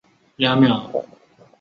有研究将少孢根霉视为的变种。